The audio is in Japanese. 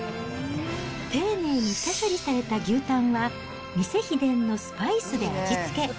丁寧に下処理された牛タンは、店秘伝のスパイスで味付け。